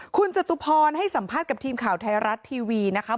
คุณจตุพรให้สัมภาษณ์กับทีมข่าวไทยรัฐทีวีนะคะ